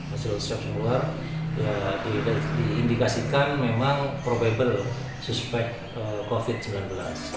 hasil swab keluar diindikasikan memang probable suspek covid sembilan belas